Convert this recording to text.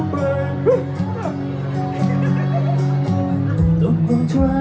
ฉันที่มีกลุ่มพิมพ์ไว้